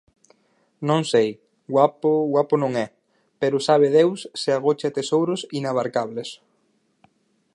Non sei, guapo, guapo non é, pero sabe Deus se agocha tesouros inabarcables.